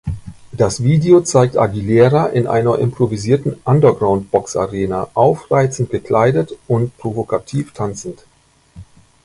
Das Video zeigt Aguilera in einer improvisierten "Underground"-Boxarena aufreizend gekleidet und provokativ tanzend.